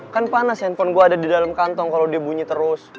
kan panas handphone gue ada di dalam kantong kalau dia bunyi terus